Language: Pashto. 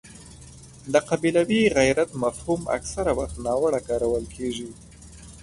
د قبیلوي غیرت مفهوم اکثره وخت ناوړه کارول کېږي.